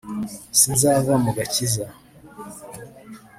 sinzava mu gakiza